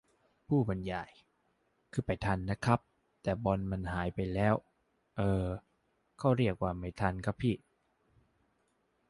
ผู้บรรยาย :"คือไปทันนะครับ แต่บอลมันหายไปแล้ว" เอ่อ เค้าเรียกว่าไม่ทันครับพี่